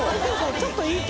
ちょっといい曲。）